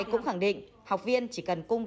chắc chắn là thì luôn ạ